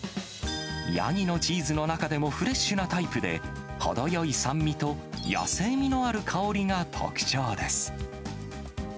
ヤギのチーズの中でもフレッシュなタイプで、程よい酸味と野性味のある香りが特徴です。